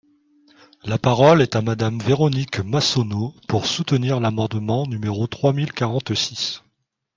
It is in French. La parole est à Madame Véronique Massonneau, pour soutenir l’amendement numéro trois mille quarante-six.